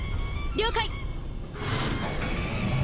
了解。